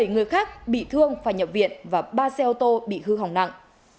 một mươi bảy người khác bị thương phải nhậm viện và ba xe ô tô bị hư hỏng nặng